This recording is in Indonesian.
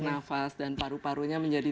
nafas dan paru parunya menjadi